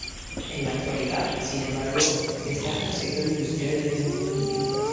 En la actualidad, sin embargo, destaca el sector industrial en el municipio.